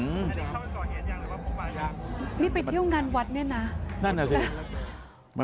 นี่ไปเที่ยวงานวัดเนี่ยนะ